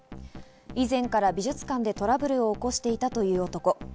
以前から美術館でトラブルを起こしていたという男。